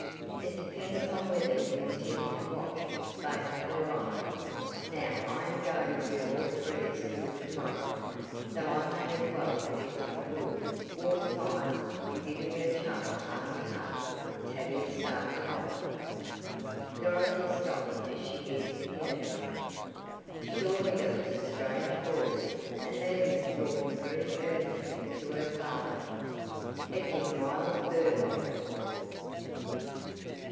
"It depends on whether you intend to wash, bake, or iron. Now I am going to do all three at school to morrow, so I may as well keep up a good, warm fire;" and giving her chum a hearty hug Tavia started off. Dorothy stopped as she neared the piazza. Surely that was a strange voice. A man was talking very earnestly to her father. It was Miles Burlock!